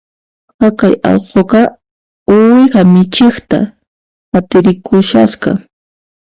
Haqay allquqa uwiha michiqta qatirikushasqa